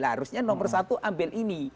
harusnya nomor satu ambil ini